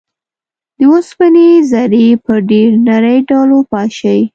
د اوسپنې ذرې په ډیر نري ډول وپاشئ.